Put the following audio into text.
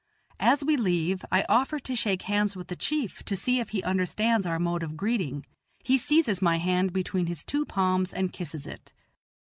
As we leave, I offer to shake hands with the chief to see if he understands our mode of greeting; he seizes my hand between his two palms and kisses it.